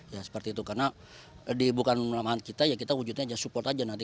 ya seperti itu karena bukan menelan kita ya kita wujudnya aja support aja nanti